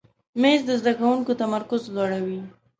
مېز د زده کوونکي تمرکز لوړوي.